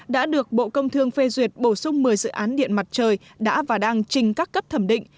đã được bộ công thương phê duyệt bổ sung một mươi dự án điện mặt trời đã và đang trình các cấp thẩm định